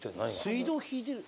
水道引いてる。